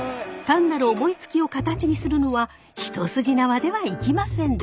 単なる思いつきを形にするのは一筋縄ではいきませんでした。